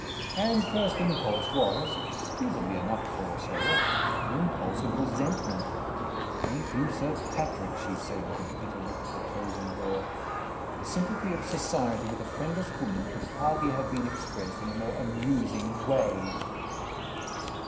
Anne's first impulse was (excusably enough, poor soul) an impulse of resentment. "Thank you, Sir Patrick!" she said, with a bitter look at the closing door. "The sympathy of society with a friendless woman could hardly have been expressed in a more amusing way!"